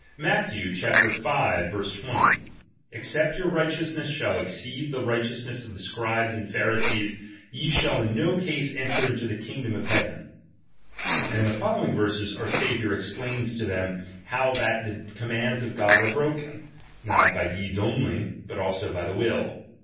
Matth. V. 20 : Except your righteousness shall exceed the righteousness of the Scribes and Pharisees, ye shall in no case enter into the kingdom of heaven. And in the following verses, our Saviour explains to them how that the commands of God are broken, not by deeds only, but also by the will.